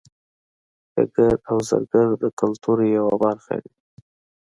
ګګر او زرګر د کولتور یوه برخه دي